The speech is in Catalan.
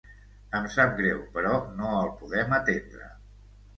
Em sap greu, però no el podem atendre.